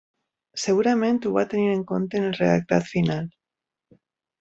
Segurament ho va tenir en compte en el redactat final.